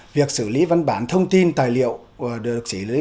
việc xử lý văn bản thông tin tài liệu được chỉ lấy